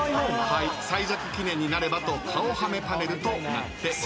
最弱記念になればと顔はめパネルとなっております。